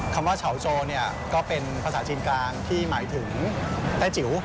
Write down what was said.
คำว่าเฉาโจก็เป็นภาษาจีนกลางที่หมายถึงแต้จิ๋ว